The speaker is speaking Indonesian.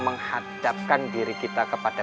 menghadapkan diri kita kepada